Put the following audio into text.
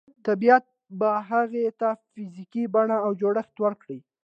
طبیعت به هغې ته فزیکي بڼه او جوړښت ورکړي